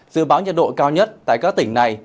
dự báo nhiệt độ cao nhất tại các tỉnh này